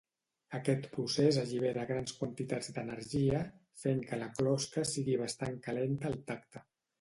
Aquest procés allibera grans quantitats d'energia, fent que la closca sigui bastant calenta al tacte.